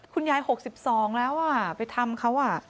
คุณยาย๖๒แล้วอ่ะไปทำเขาอ่ะ